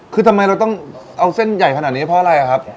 คือทำไมเราต้องเอาเส้นใหญ่ขนาดนี้เพราะอะไรครับ